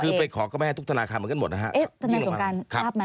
คือไปขอก็ไม่ให้ทุกธนาคารมันกันหมดนะครับ